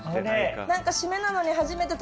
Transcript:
何か締めなのに。